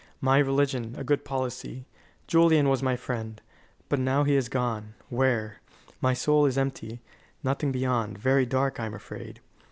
My religion, a good policy Julian was my friend. But now he is gone where? My soul is empty nothing beyond very dark I am afraid.